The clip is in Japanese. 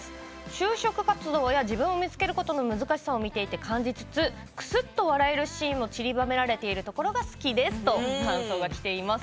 就職活動や自分を見つけることの難しさを見ていて感じつつくすっと笑えるシーンも散りばめられているところが好きですと感想がきています。